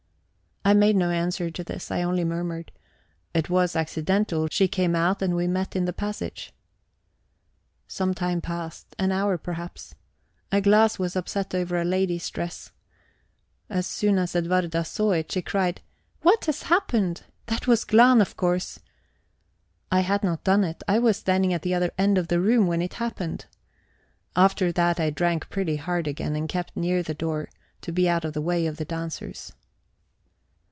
I made no answer to this; I only murmured: "It was accidental; she just came out, and we met in the passage..." Some time passed an hour, perhaps. A glass was upset over a lady's dress. As soon as Edwarda saw it, she cried: "What has happened? That was Glahn, of course." I had not done it: I was standing at the other end of the room when it happened. After that I drank pretty hard again, and kept near the door, to be out of the way of the dancers.